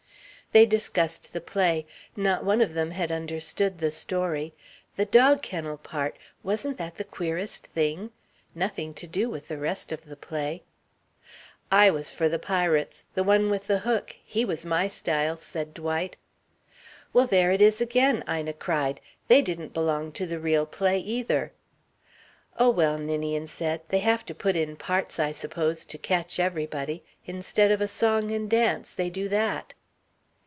They discussed the play. Not one of them had understood the story. The dog kennel part wasn't that the queerest thing? Nothing to do with the rest of the play. "I was for the pirates. The one with the hook he was my style," said Dwight. "Well, there it is again," Ina cried. "They didn't belong to the real play, either." "Oh, well," Ninian said, "they have to put in parts, I suppose, to catch everybody. Instead of a song and dance, they do that."